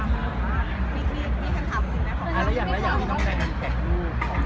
ไม่ทราบเลยครับ